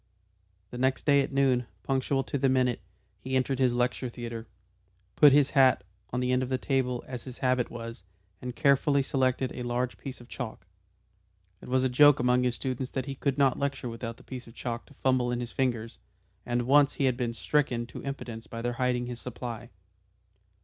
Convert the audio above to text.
The next day at noon, punctual to the minute, he entered his lecture theatre, put his hat on the end of the table as his habit was, and carefully selected a large piece of chalk. It was a joke among his students that he could not lecture without that piece of chalk to fumble in his fingers, and once he had been stricken to impotence by their hiding his supply.